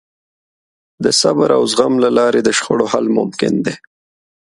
د صبر او زغم له لارې د شخړو حل ممکن دی.